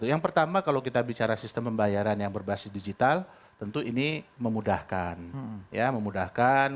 yang pertama kalau kita bicara sistem pembayaran yang berbasis digital tentu ini memudahkan